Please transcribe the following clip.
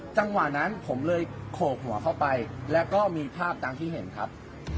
จังหวะนั้นผมเลยโขกหัวเข้าไปแล้วก็มีภาพตามที่เห็นครับ